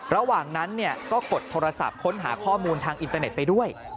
ระหว่างนั้นก็กดโทรศัพท์ค้นหาข้อมูลทางอินเตอร์เน็ตไปด้วย